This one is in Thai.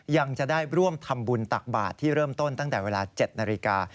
ยังจะได้ร่วมทำบุญตักบาทที่เริ่มต้นตั้งแต่เวลา๗นาฬิกา